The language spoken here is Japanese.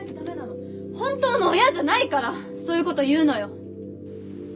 本当の親じゃないからそういう事言うのよ！